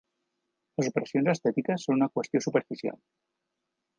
Les operacions estètiques són una qüestió superficial.